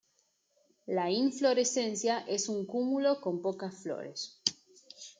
La inflorescencia es un cúmulo con pocas flores.